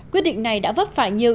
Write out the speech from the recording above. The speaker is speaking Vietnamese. quyết định này đã vấp phải nhiều